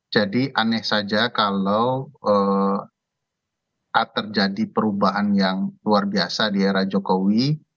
jadi aneh saja kalau tak terjadi perubahan yang luar biasa di era jokowi